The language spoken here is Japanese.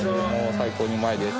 最高にうまいです。